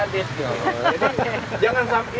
jadi jangan sampai